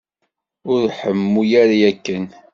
Ur ḥemmu ara akken.